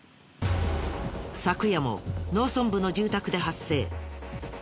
昨夜も農村部の住宅で発生。